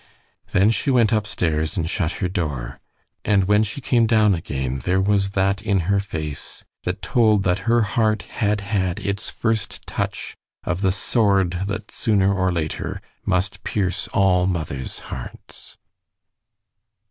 Then she went upstairs and shut her door, and when she came down again there was that in her face that told that her heart had had its first touch of the sword that, sooner or later, must pierce all mothers' hearts.